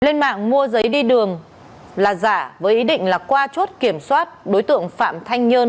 lên mạng mua giấy đi đường là giả với ý định là qua chốt kiểm soát đối tượng phạm thanh nhơn